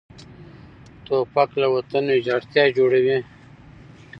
توپک له وطن ویجاړتیا جوړوي.